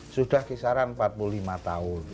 sudah kisaran empat puluh lima tahun